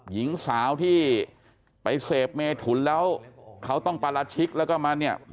หญิงสาวที่ไปเสพเมถุนแล้วเขาต้องปราชิกแล้วก็มาเนี่ย